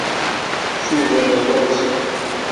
Cuban ɣur-sen.